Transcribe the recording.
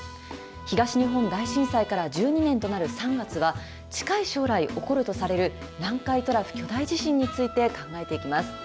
東日本大震災から１２年となる３月は、近い将来起こるとされる南海トラフ巨大地震について考えていきます。